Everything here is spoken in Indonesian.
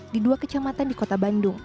di dua kecamatan di kota bandung